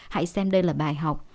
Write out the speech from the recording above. hãy xem đây là bài học